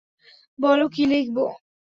বল কী লিখবো?